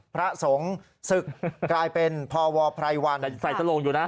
พระสงฆ์ศึกกลายเป็นพวไพรวันใส่สลงอยู่นะ